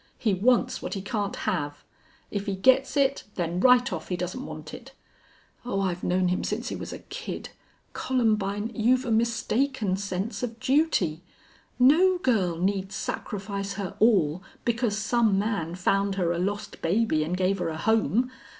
He wants what he can't have. If he gets it, then right off he doesn't want it. Oh, I've known him since he was a kid.... Columbine, you've a mistaken sense of duty. No girl need sacrifice her all because some man found her a lost baby and gave her a home.